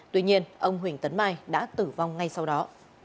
tuy nhiên ông huỳnh tấn mai đã tử vong ngay sau đó